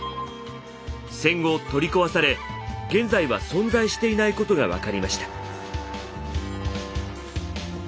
戦後取り壊され現在は存在していないことが分かりました。